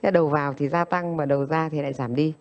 đầu vào thì gia tăng mà đầu ra thì lại giảm đi